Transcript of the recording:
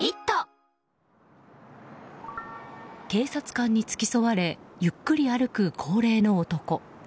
警察官に付き添われゆっくり歩く高齢の男。